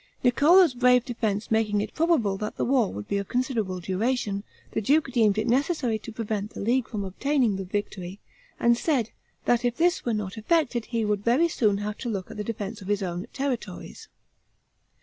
Niccolo's brave defense making it probable that the war would be of considerable duration, the duke deemed to necessary to prevent the League from obtaining the victory, and said that if this were not effected he would very soon have to look at the defense of his own territories.